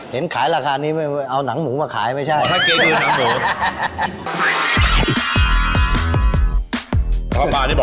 เห็นขายราคานี้ไม่เอาหนังหมูมาขายไม่ใช่หนังหมู